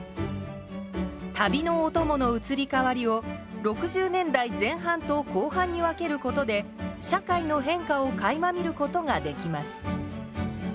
旅のお供の移り変わりを６０年代前半と後半に分けることで社会の変化をかいま見ることができます。